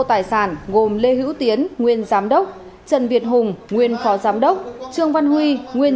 tài sản gồm lê hữu tiến nguyên giám đốc trần việt hùng nguyên phó giám đốc trương văn huy nguyên